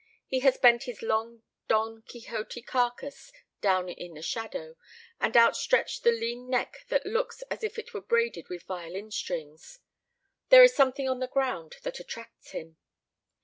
He has bent his long Don Quixote carcase down in the shadow, and outstretched the lean neck that looks as if it were braided with violin strings. There is something on the ground that attracts him.